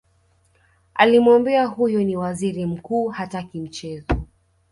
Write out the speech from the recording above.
alimwambia huyo ni waziri mkuu hataki mchezo